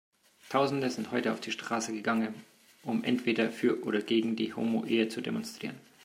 Tausende sind heute auf die Straße gegangen, um entweder für oder gegen die Homoehe zu demonstrieren.